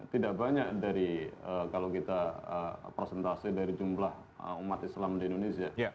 tidak banyak dari kalau kita presentasi dari jumlah umat islam di indonesia